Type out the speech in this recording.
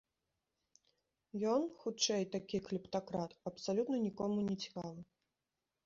Ён, хутчэй, такі клептакрат, абсалютна нікому не цікавы.